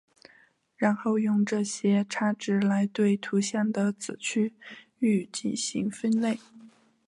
然后用这些差值来对图像的子区域进行分类。